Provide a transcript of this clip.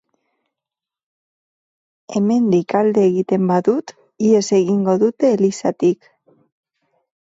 Hemendik alde egiten badut, ihes egingo dute elizatik.